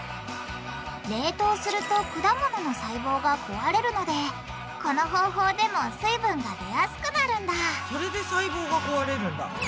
冷凍すると果物の細胞が壊れるのでこの方法でも水分が出やすくなるんだそれで細胞が壊れるんだ。